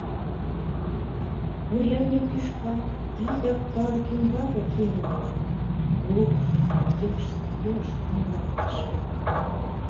Урядник тӱшка вигак калык ӱмбаке керылте, лупш йышт-йошт муралтыш.